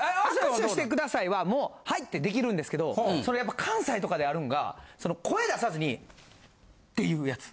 「握手してください」はもう「はい」って出来るんですけどそれやっぱ関西とかであるんが声出さずにっていうやつ。